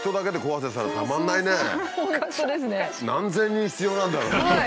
何千人必要なんだろう。